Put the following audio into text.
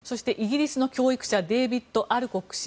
そしてイギリスの教育者デービッド・アルコック氏。